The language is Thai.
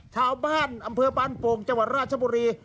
ชาวบ้านอำเภอบ้านโป่งจังหวัดราชบุรี